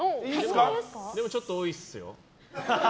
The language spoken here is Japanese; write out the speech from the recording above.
でもちょっと多いですよ。